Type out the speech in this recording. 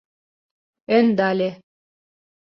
Ӧндале.